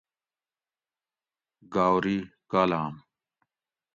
گاؤری کالام